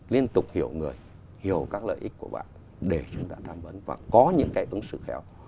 liên tục hiểu người hiểu các lợi ích của bạn để chúng ta tham vấn và có những cái ứng xử khéo